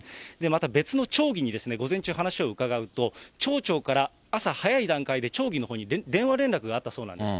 また別の町議に午前中、話を伺うと、町長から朝早い段階で町議のほうに電話連絡があったそうなんです。